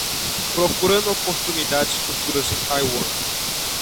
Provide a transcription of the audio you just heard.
Procurando oportunidades futuras em Taiwan